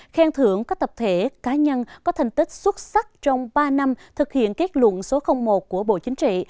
khen thưởng các tập thể cá nhân có thành tích xuất sắc trong ba năm thực hiện kết luận số một của bộ chính trị